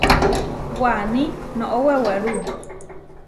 Waní noʼó wewerú.